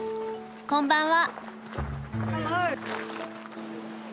こんばんは。